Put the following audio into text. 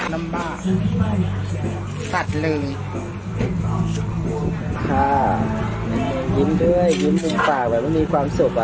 น้ำบ้าสัตว์เลยค่ะเมนูยิ้มด้วยยิ้มด้วยปากแบบว่ามันมีความสุขอ่ะ